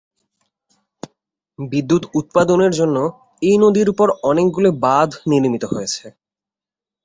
বিদ্যুৎ উৎপাদনের জন্য এই নদীর উপর অনেকগুলি বাঁধ নির্মিত হয়েছে।